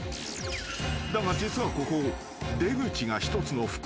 ［だが実はここ出口が一つの袋小路］